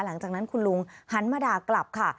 หลังจากนั้นคุณลุงหันมาด่ากลับค่ะ